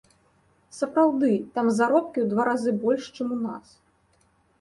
Сапраўды, там заробкі ў два разы больш, чым у нас.